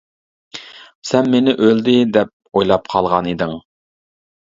سەن مېنى ئۆلدى دەپ ئويلاپ قالغان ئىدىڭ.